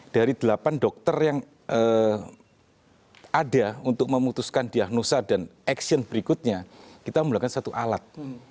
dari delapan dokter yang ada untuk memutuskan diagnosa dan action berikutnya kita menggunakan satu alat